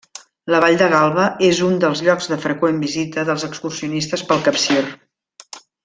La vall de Galba és un dels llocs de freqüent visita dels excursionistes pel Capcir.